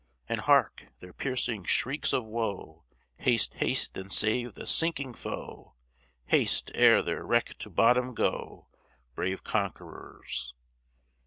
And, hark! their piercing shrieks of wo! Haste, haste and save the sinking foe: Haste, e'er their wreck to bottom go, Brave conquerors.